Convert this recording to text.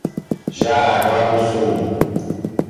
Jaraguá do Sul